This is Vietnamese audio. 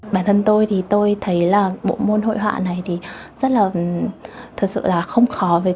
bản thân tôi thì tôi thấy là bộ môn hội họa này thì rất là thật sự là không khó